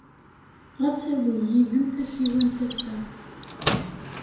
Ɣas awey yid-m tasiwant ass-a.